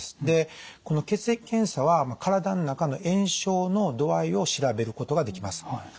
でこの血液検査は体の中の炎症の度合いを調べることができます。